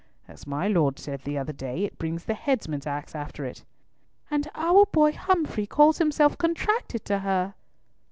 As my lord said the other day, it brings the headsman's axe after it." "And our boy Humfrey calls himself contracted to her!"